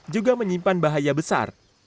juga menyimpan bahaya besar